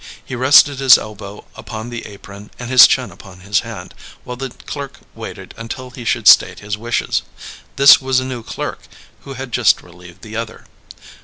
He rested his elbow upon the apron and his chin upon his hand, while the clerk waited until he should state his wishes. This was a new clerk, who had just relieved the other.